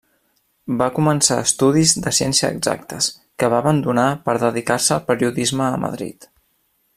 Va començar estudis de Ciència Exactes, que va abandonar per dedicar-se al periodisme a Madrid.